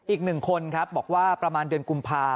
อีกหนึ่งคนครับบอกว่าประมาณเดือนกุมภา